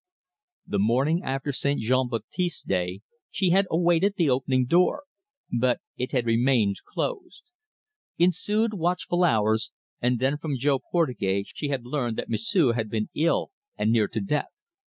The morning after St. Jean Baptiste's day she had awaited the opening door, but it had remained closed. Ensued watchful hours, and then from Jo Portugais she had learned that M'sieu' had been ill and near to death.